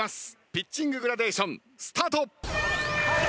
ピッチンググラデーションスタート。